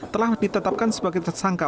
telah ditetapkan sebagai tersangka